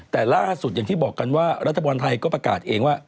แต่ล่าสุดอย่างที่บอกกันว่ารัฐบาลไทยก็ประกาศเองว่า